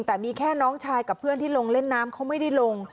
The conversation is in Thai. แต่มีแค่น้องชายกับเพื่อนที่ลงเล่นน้ำเขาไม่ได้ลง